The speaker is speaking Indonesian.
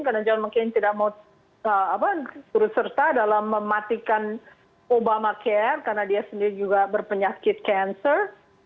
karena john mccain tidak mau turut serta dalam mematikan obamacare karena dia sendiri juga berpenyakit kanser